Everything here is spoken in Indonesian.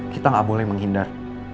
kita gak boleh menghindar